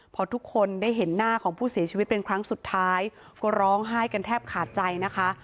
พอทุกคนได้เห็นหน้าของผู้เสียชีวิตเป็นครั้งสุดท้ายก็ร้องไห้กันแทบขาดใจนะคะ